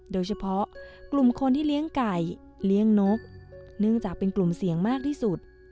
โดยเฉพาะกลุ่มคนที่เลี้ยงไก่เลี้ยงนกเนื่องจากเป็นกลุ่มเสี่ยงมากที่สุด